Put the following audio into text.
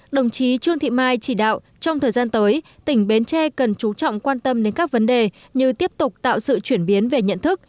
đồng chí trương thị mai chỉ đạo trong thời gian tới tỉnh bến tre cần chú trọng quan tâm đến các vấn đề như tiếp tục tạo sự chuyển biến về nhận thức